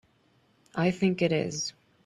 I think it is.